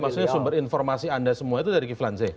jadi maksudnya sumber informasi anda semua itu dari kiflanjien